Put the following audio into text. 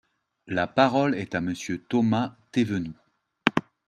La parole est à Monsieur Thomas Thévenoud.